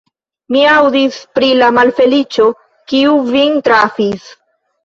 Mi aŭdis pri la malfeliĉo, kiu vin trafis.